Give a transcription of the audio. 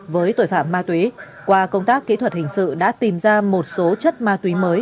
với tội phạm ma túy qua công tác kỹ thuật hình sự đã tìm ra một số chất ma túy mới